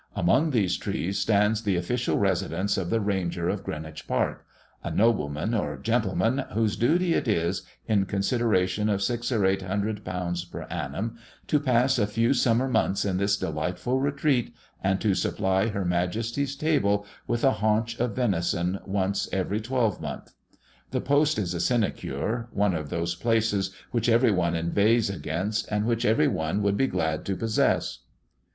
Among these trees stands the official residence of the Ranger of Greenwich park, a nobleman or gentleman whose duty it is, in consideration of six or eight hundred pounds per annum, to pass a few summer months in this delightful retreat, and to supply Her Majesty's table with a haunch of venison once every twelvemonth. The post is a sinecure, one of those places which every one inveighs against, and which every one would be glad to possess.